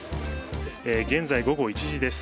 現在午後１時です。